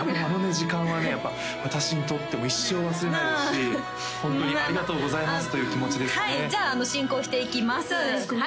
時間はねやっぱ私にとっても一生忘れないですしホントにありがとうございますという気持ちですねはいじゃあ進行していきますそうですね